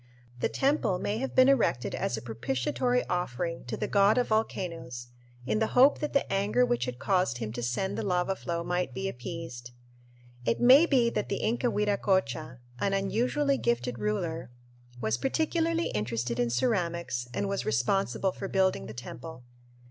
The temple may have been erected as a propitiatory offering to the god of volcanoes in the hope that the anger which had caused him to send the lava flow might be appeased. It may be that the Inca Viracocha, an unusually gifted ruler, was particularly interested in ceramics and was responsible for building the temple.